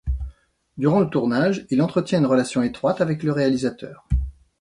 Durant le tournage, il entretient une relation étroite avec le réalisateur.